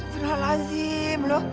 sudah lazim lo